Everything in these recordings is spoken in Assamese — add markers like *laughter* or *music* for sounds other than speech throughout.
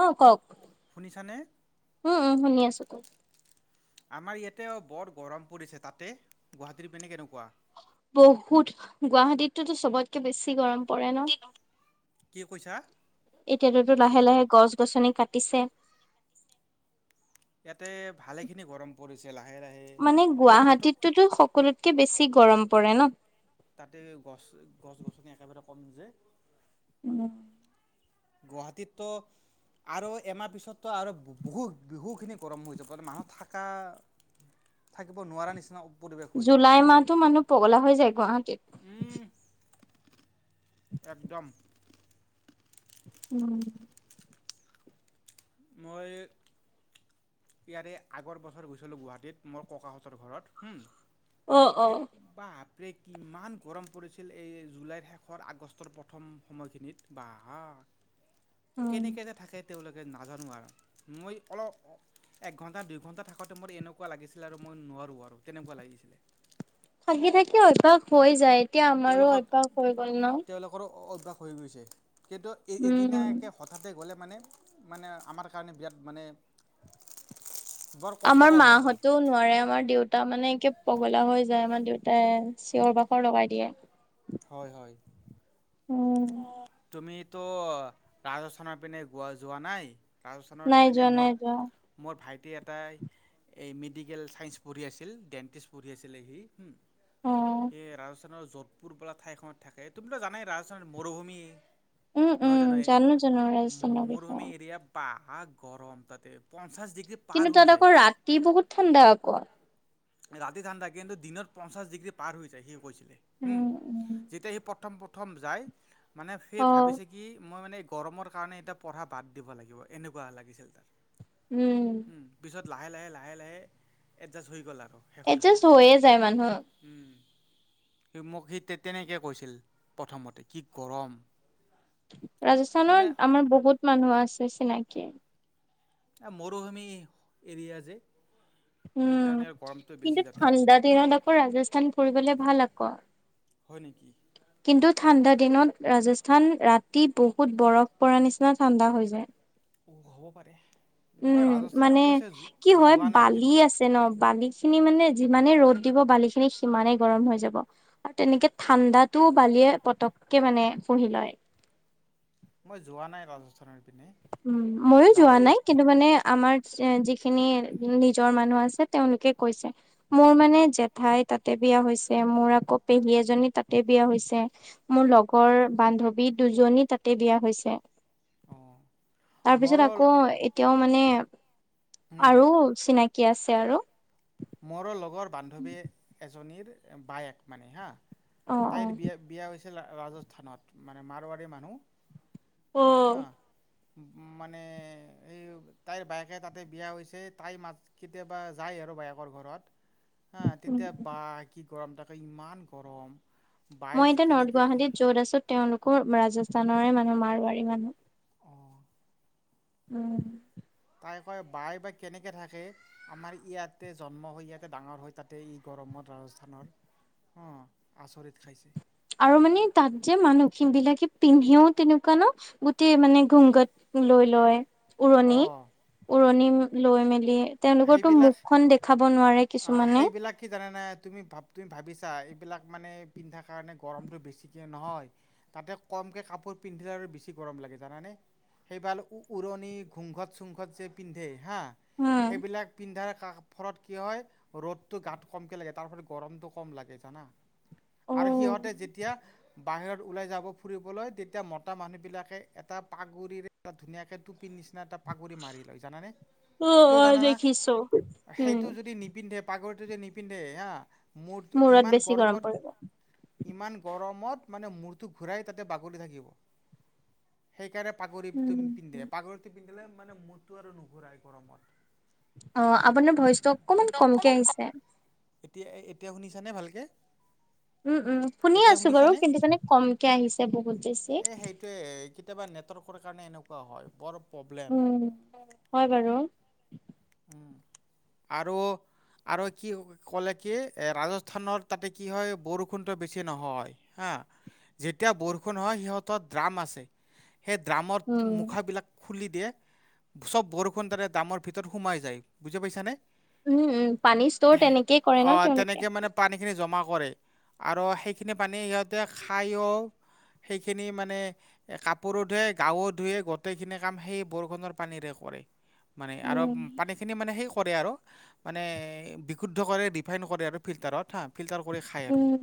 অ কওক শুনিছানে উম উম শুনি আছো ক আমাৰ ইয়াতে বৰ গৰম পৰিছে তাতে গুৱাহাটীৰ পিনে কেনেকোৱা বহুত গুৱাহাটীততো চবতকে বেছি গৰম কৰে ন কি কৈছা? এতিয়াটোটো লাহে লাহে গছ গ গছনি কাটিছে ইয়াতে ভালে খিনি গৰম পৰিছিলা মানে গুৱাহাটীততোতো সকলোতকে বেছি গৰম পৰে ন তাতে গছ গছ গছনি একেবাৰে কম যে উ গুৱাহাটীততো আৰু এমাহ পিছততো আৰু বহুত বিহুখিনি গৰম হৈ যাব মে মানুহ থাকা থাকিব নোৱাৰাৰে নিচিনা পৰিৱেশ হৈ যায়। জুলাই মাহতো মানুহ পগলা হৈ যায় গুৱাহাটীত উম একদম উম মই ইয়াৰে আগৰ বছৰ গৈছিলো গুৱাহাটীত মোৰ ককাহঁতৰ ঘৰত হুম অ অ প্ৰে কিমান গৰম পৰিছিল এই জুলাইৰ শেষৰ আগষ্টৰ প্ৰথম সময়খিনিত বা হ কেনেক যে থাকে তেওঁলোকে নাজানো আৰু মই অলপ এক ঘণ্টা দুই ঘণ্টা থাকোতে মোৰ এনেকোৱা লাগিছিলে আৰু মই নোৱাৰোঁ আৰু তেনেকোৱা লাগিছিলে থাকি থাকি অভ্যাস হৈ যায় এতিয়া আমাৰো তেওঁলোকৰ অভ্যাস হৈ গ'ল ন। তেওঁলোকৰো হৈ গৈছে কিন্তু উম এদিনাকে হঠাতে গ'লে মানে আমাৰ কাৰণে বিয়াত মানে বৰ আমাৰ কষ্টকৰ হয় আৰু মাহতেও নোৱাৰে আমাৰ দেউতা মানে পগলা হৈ যায় মানে দেউতাই চিঞৰ বাখৰ লগাই দিয়ে হয় হয় উম তুমি তো ৰাজস্থানৰ পিনে গোৱা যোৱা নাই ৰাজস্থানৰ নাই পিনে যোৱা নাই মোৰ যোৱা মোৰ ভাইটি এ এটা এই মেডিকেল চাইঞ্চ পঢ়ি আছিল ডেন্টিষ্ট পঢ়ি আছিলে সি অ এ ৰাজস্থানৰ যত পুৰবলা ঠাইখনত থাকে তুমিতো জানাই ৰাজস্থান মৰুভূমি উম, উম, নহয় জানো জানো ৰাজস্থানৰ মৰুভূমি বিষয়ে। এৰিয়া বা হ গৰম তাতে পঞ্চাশ কিন্তু তাত আকৌ ৰাতি বহুত ঠাণ্ডা আক ৰাতি ঠাণ্ডা কিন্তু দিনত পঞ্চাশ ডিগ্ৰী পাৰ হৈ যায় সিও কৈছো উম যেতিয়া সি প্ৰথম প্ৰথম যায় মানে সেই অ', ভাবিছে কি মই মানে গৰমৰ কাৰণে এতিয়া পঢ়া বাদ দিব লাগিব এনেকুৱা লাগিছিল তাৰ উম লাহে লাহে লাহে লাহে এডজাষ্ট হৈ গ'ল আৰু শেষৰ পিনে। এডজাষ্ট হৈয়ে যায় মানুহক উম, মোক সি তেনেকে কৈছিল প্ৰথমতে কি গৰম মানে ৰাজস্থানত আমাৰ বহুত মানুহ আছে চিনাকি মৰুভূমি এৰিয়া যে উম সেইকাৰণে আৰু গৰমটো বেছি কিন্তু তাতে ঠাণ্ডা দিনত আকৌ ৰাজস্থান ফুৰিবলে ভাল আকৌ হয় নেকি কিন্তু ঠাণ্ডা দিনত ৰাজস্থান ৰাতি বহুত বৰফ পৰা নিচিনা ঠাণ্ডা হৈ যায় হ'ব পাৰে মই উম ৰাজস্থান মানে অৱশ্যে কি হয় যোৱা নাই বালি কিন্তু। আছে ন বালি খিনি মানে যিমানে ৰ'দ দিব বালি খিনি সিমানে গৰম হৈ যাব আৰু তেনেকে ঠাণ্ডাতটোও বালিয়ে পটককে মানে পুহি লয় মই যোৱা নাই ৰাজস্থানৰ পিনে উম ময়ো যাব যোৱা অ' নাই কিন্তু মানে আমাৰ যিখিনি নিজৰ মানুহ আছে। তেওঁলোকে কৈছে মোৰ মানে জেঠাই তাতে বিয়া হৈছে মোৰ আকৌ পেহী এজনী তাতে বি বিয়া হৈছে মোৰ লগৰ বান্ধৱী দুজনী তাতে বিয়া হৈছে মোৰ তাৰপিছত আকৌ এতিয়াও মানে উম, আৰু চিনাকি আছে। তে আৰু মোৰৰ লগৰ বান্ধৱী এজনীৰ বায়েক মানে হা অ অ তাইৰ বিয়া হৈছিল ৰাজস্থানত মানে মাৰৱাৰী মানুহ অ উম। মানে এই তাইৰ বায়েকে তাতে বিয়া হৈছে তাই মা কেতিয়াবা যায় আৰু বায়েক ঘৰত হ তেতিয়া উম বাহ কি গৰম তাকে ইমান গৰম। বাই মই এতিয়া নৰ্থ কেনেকে গুৱাহাটীত য'ত আছো তেওঁলোকৰ ৰাজস্থানৰে মানুহ মাৰোৱাৰী মানুহ অঁ উম। তাই কয় বাই বাাই কেনেকৈ থাকে আমাৰ ইয়াতে জন্ম হৈ ইয়াতে ডাঙৰ হৈ তাতে ই গৰমত ৰাজস্থানৰ অ আচৰিত খাইছে আৰু মানে তাত যে মানুহ বিলাকে পিন্ধিও তেনেকুৱা ন গোটেই মানে ঘুংগত লৈ লয়। উৰণি অঁ উৰণি লৈ মেলি তেওঁলোকৰটো সেইবিলাক মুখখনন দেখাব নোৱাৰে অ কিছুমানে সেইবিলাক কি জানে নে তুমি ভ তুমি ভাবিছা এইবিলাক মানে পিন্ধা কাৰণে গৰমতটো বেছিকে নহয়, তাতে কমকে কাপোৰ পিন্ধিলে আৰু বেছি গৰম লাগ জানানে সেইবাল উৰণি ঘুংঘত চুংঘত যে পিন্ধে হা, উম। সেইবিলাক পিন্ধাৰ ফৰত কি হয় ৰ'দতটো গাত কমকে লাগে তাৰ ফত গৰমতটো কম লাগে জানা আৰু অ', সিহঁতে যেতিয়া বাহিৰত ওলাই যাব ফুৰিবলৈ তেতিয়া মতা মানুহ বিলাকে এটা পাগুৰিৰে এটা ধুনীয়াকে টোপি নিচ না তাত পাকুৰি মাৰি লয় জানানে? কিয় অ', জানানা দেখিছো উম সেইটো যদি নিপিন্ধে পাগৰিটো যদি নিপিন্ধে হা মোৰ মূৰত ইমান বেছি গৰম গৰমত পৰিব ইমান গৰমত মানে মূৰটো ঘূৰাই তাতে বাগৰি থাকিম সেইকাৰণে পাগৰিটো পিন্ধে পাগৰিটো পিন্ধিলে মানে মটো আৰু নুঘূৰাই গৰমত অ আপোনাৰ ভইচটো অকমান কমকে আহিছে এতিয়া এতিয়া শুনিছানে ভালকে উম উম শুনি এতিয়া আছো বাৰু শুনিছানে? কিন্তু মনে কমকে আহিছে বহুত বেছি সকলো কাৰণে এনেকুৱা হয়, বৰ প্ৰব্লেম। উম হয় বাৰু। আৰু আৰু কি ক'লে কি এ ৰাজস্থানৰ তাতে কি হয় বৰষুণত বেছি নহয় হা যেতিয়া বৰষুণ হয় সিহঁত দ্ৰাম আছে সেই ড্ৰামৰ উম। মুখাবিলাক খুলি দিয়ে চব বৰষুণ দাৰে ড্ৰামৰ ভিতৰত সোমাই যায় বুজি পাইছানে? উম, উম, পানী ষ্টৰ এ তেনেকেই কৰে ন অ তেওঁলোকে। তেনেকে মানে পানী খিনি জমা। কৰে আৰু সেইখিনি পানী সিহঁতে খায়ো। সেইখিনি মানে এ কাপোৰো ধুৱে গাও ধুুৱে গোটেইখিনি কাম সেই বৰখনৰ পানীৰে কৰ কৰে মানে আৰু উম, পানীখিনি মানে সেই কৰে আৰু মানে বিশুদ্ধ কৰে ৰিফাইন কৰে আৰু ফিল্টাৰত হা ফিল্টাৰ কৰি খায় আৰু উম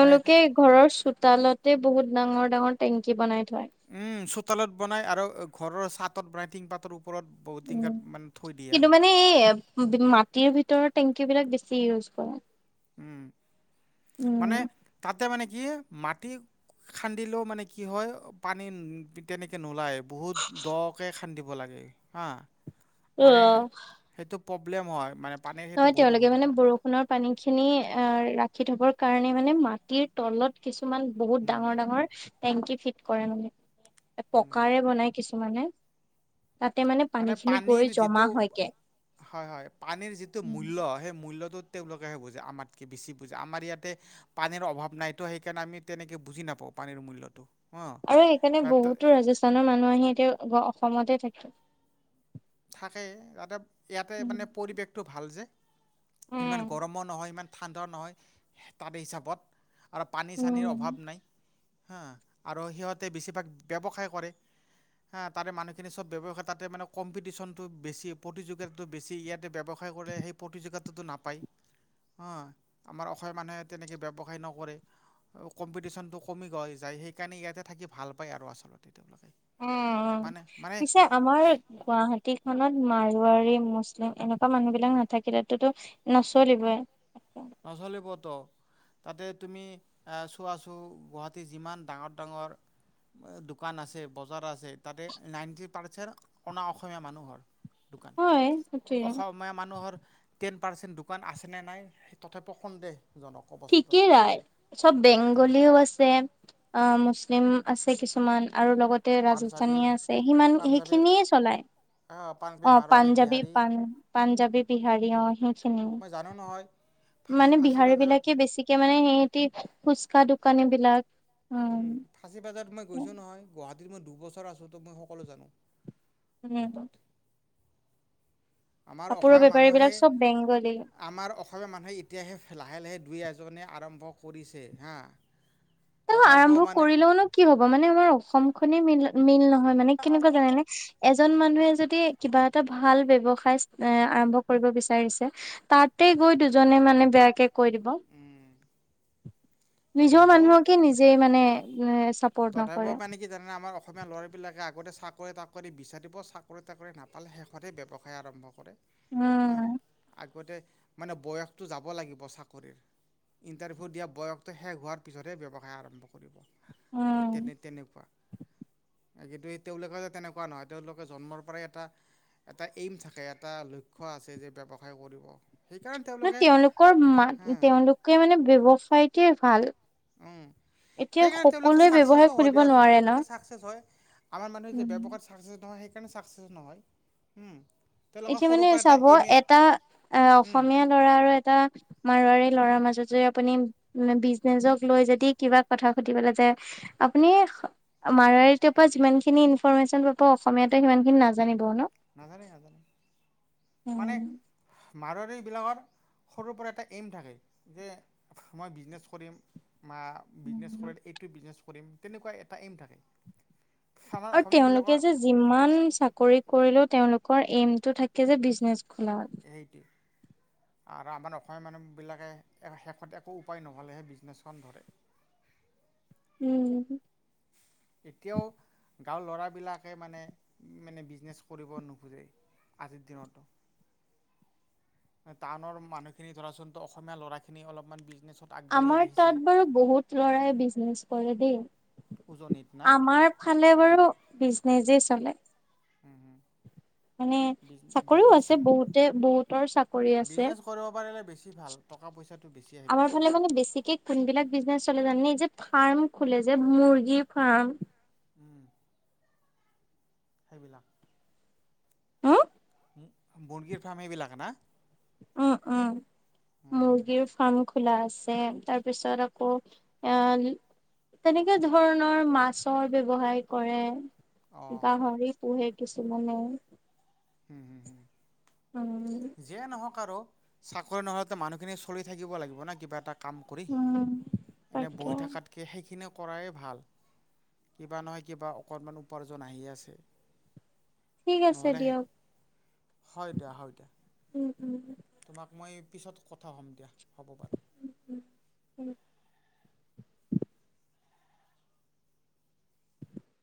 মানে ঘৰৰ চোতালতে বহুত ডাঙৰ ডাঙৰ টেংকি বনাই থয়। উম চোতালত বনাই আৰু ঘৰৰ চাতত বনাই টিং পাতৰ পৰত উম কিন্তু মানে এই মাটিৰ ভিতৰ টেংকী বিলাক বেছি। পিৰুছ বড়া উম মানে তাতে মানে কি মাটি খান্দিলেও মানে কি হয় পানী তেনেকে নোলায় বহুত দকে খান্দিব লাগে। হা মানে অ'। সেইটো প্ৰব্লেম হয় মানে পানীৰ সেইটো নহয় বহুত তেওঁলোকে মানে অসুবিধা বৰষুণৰ পানী খিনি আ ৰাখি থবৰ কাৰণে মানে মাটিৰ তলত কিছুমান কিছুমান বহুত উম, ডাঙৰ ডাঙৰ টেংকি ফিট কৰে মানে উম। পকাৰ বনাই কিছু মানে পানী মানে খিনি গৈ পানীৰ জমা যিটো হয়গে। হয় হয় পানীৰ যিটো উম। মূল মূল্যটোত তেওঁলোকেহে বুজে আমাতকৈ বেছি বুজে আমাৰ ইয়াতে পানীৰ অভাৱ নাইতো সেইকাৰণে আমি তেনেকে বুজি নাপাওঁ পানীৰ মূল্যটো অঁ আৰু সেইকাৰণে বা বহুতো ৰাজস্থানৰ মানুহ আহি এতিয়া অসমতে থাকে থাকে যাতে ইয়াতে উম। মানে পৰিৱেশটো ভাল যে ইমান উম, গৰমো নহয় ইমান ঠাণ্ডা নহয় তাৰে হিচাপত আৰু পানী চানীৰ অভাৱ নাই হা আৰু সিহঁতে বেছিভাগ ব্যৱসায় কৰে হা তাৰে মানুহখিনি চব্ ব্যবসায় তাতে মেম্পিউ কম্পিটিচন টো বেছি প্ৰতিযোগিতাটো বেছি ইয়াতে ব্যৱসায় কৰে সেই প্ৰতিযোগিতাটো নাপায় হ আমাৰ অসমীয়া মানুহে তেনেকে ব্যৱসায় নকৰে কম্পিটিশনটো কমি গৈ যায় সেইকাৰণে ইয়াতে থাকি ভাল পায় আৰু আচলতে তেওঁলোকে উ মানে মানে পিছে আমাৰ গুৱাহাটী গ খত মাৰোৱাৰোৱাৰী মুছলিম এনেকুৱা মানুহ বিলাক নাথাকিল তাতোতো নচলিবই নচলিব ত তাতে তুমি চোৱা আছো গুৱাহাটীৰ যিমান ডাঙৰ ডাঙৰ দোকান আছে বজাৰ আছে তাতে নাইনটি পাৰ্চেণ্ট অনা অসমীয়া মানুহৰ দোকান হয়, সেইটোৱে। অসমীয়া মানুহৰ টেন পাৰ্চেন্ট দোকান আছে নে নাই তথাপি সন্দেহ ঠিকেই ৰাই চব বেংগলীও আছে অ মুছলিম আছে কিছুমান আৰু লগতে পাঞ্জাবী ৰাজস্থানী আছে সিমান পাঞ্জাবী সেইখিনিয়ে চলায় আহ, পাঞ্জাবী অ মাৰোৱাৰী পাঞ্জাবী বিহাৰী প পাঞ্জাবী বিহাৰী অ সেইখিনিয় মই জানো নহয় ফাঁচী মানে ফাঁচী বিহাৰী বজাৰত বিলাকে বেছিকে মানে সিহতি ফুচকা দোকানী বিলাক উ উম ফাচী বাজাৰত মই গৈছো নহয় গুৱাহাটীত মই দুবছৰ আছো তো মই সকলো জানো গুৱাহাটীত উম আমাৰ কাপোৰৰ অসমীয়া বেপাৰী মানুহে বিলাক চব বেংগলী আমাৰ অসমীয়া মানুহে এতিয়াহে লাহে লাহে দুই এজনে আৰম্ভ কৰিছে হা ত তথাপিও আৰম্ভ মানে কৰিলেওনো কি হব মানে আমাৰ অসম খনেই মিল মিল নহয়। হয় মানে কেনেকুৱা জানে নে এজন মানুহে যদি কিবা এটা ভাল ব্যৱসায় আৰম্ভ কৰিব বিচাৰিছে তাতে দুজনে মানে বেয়াকে কৈ দিব উম, নিজৰ তথাপিও মানুহক যে মানে উ তথাপিও মানে কি জানেনে আমাৰ অ অসমীয়া ল'ৰাবিলাকে আগতে চাকৰি তাকৰি বিচাৰিব চাকৰি তাকৰি নাপালে শেষতহে ব্যৱসায় আৰম্ভ কৰে হ উম আগতে মানে বয়সটো যাব লাগিব চাকৰিৰ ইন্টাৰভিউ দিয়া বয়স শেষ হোৱাৰ পাছত হে ব্যবসায়ী আৰম্ভ কৰিব। উম তেনে তেনে কোৱা কিন্তু তেওঁলোকে যে তেনেকুৱা নহয় তেওঁলোকে জন্মৰ পৰাই এটা এটা এইম থাকে এটা লক্ষ্য আছে যে ব্যৱসায় কৰিব সেইকাৰণে ন তেওঁলোকে তেওঁলোকৰ মা হা তেওঁলোকে মানে ব্যৱসায়টে ভাল উম এতিয়া সেইকাৰণে তেওঁলোকে সকলোৱে ব্যৱসায় চাকচেছো হয় খুলিব দিয়া আছো নোৱাৰে ন। তেওঁলোকে চাকচেচ হয় আমাৰ মানুহে যে ব্যৱসায়ত চাকচেছ নহয় সেইকাৰণে চাকচেছ নহয় তেওঁলোকৰ এতিয়া সৰুৰ মানে পৰা এটা চাব এইমে এটা অ উম অসমীয়া ল'ৰা আৰু এটা মাৰোৱাৰী ল'ৰাৰ মাজত যদি আপুনি বিজনেচক লৈ যদি কিবা কথা সুধিব লৈ যায় আপুনি মাৰুৱাৰি টোপা যিমান খিনি ইনফৰৰ্মেশচন পাব অসমীয়াতে সিমান খিনি নাজানিব ন নাজানে নাজানে উম মাৰোৱাৰি বিলাকৰ সৰুৰ পৰা এটা এইম থাকে যে মই বিজনেছ কৰিম মা বিজনেছ কৰে এইটো বিজনেছ কৰিম তেনেকুৱা এটা এইম থাকে আমাৰ আৰু তেওঁলোকে অসমীয়াবিলাকৰ যে যিমান চাকৰি কৰিলেও তেওঁলোকৰ এইম টো থাকে যে বিজনেচ খিলাত সেইটোৱে আৰু আমাৰ অসমীয়া মানুহবিলাকে শেষত একো উপায় নহ'লেহে বিজনেছখন ধৰে *inaudible* উম এতিয়াও গাঁৱৰ ল'ৰাবিলাকে মানে মানে বিজনেছ কৰিব নোখোজে আজিৰ দিনত টাউনৰ মানুহখিনি ধৰাচোন ত অসমীয়া ল'ৰা খিনি অলপমান বিজনেছ আমাৰ তাত বাৰু বহুত লৰাই বিজনেছ কৰে দেই উজনিত না আমাৰ ফালে বাৰু বিজনেজেই চলে উম উম মানে চাকৰিও আছে বহুতে বহুতৰ চাকৰি আছে বিজনেছ কৰিব পাৰিলে বেছি ভাল টকা পইচাটো বেছি আহে আমাৰ ফালে বিজনেছত মানে বেছিকে কোনবিলাক বিজনেছত এইফালেজানি এই যে ফাৰ্ম খোলে যে মুৰ্গী ফাৰ্ম সেইবিলাক হা মুগী ফাৰ্ম এইবিলাক না উম উম মুৰ্গীৰ ফাৰ্ম খোলা আছে তাৰপিছত আকৌ এয়া তেনেকে ধৰণৰ মাছৰ ব্যৱসায় কৰে গাহৰি পোহে কিছুমানে হম হম হম উম যিয়ে নহওঁক আৰু চাকৰি নহওঁতে মানুহখিনি চল থাকিব লাগিব না কিবা এটা কাম কৰি উম এনেই তাকে বহি থকাতকে সেইখিনিয়েও কৰাই ভাল কিবা নহয় কিবা অকণমান উপাৰ্জন আহি আছে ঠিক আছে নহ'লেহে দিয়ক হয় দিয়া হয় দিয়া উম উম তোমাক মই পিছত কথা কম দিয়া হ'ব বাৰু উম উম।